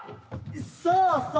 そうそう。